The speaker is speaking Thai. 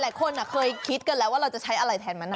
หลายคนเคยคิดกันแล้วว่าเราจะใช้อะไรแทนมัน